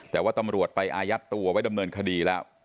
แต่ว่าตำรวจไปอายัดตัวไว้ดำเนินคดีแล้ว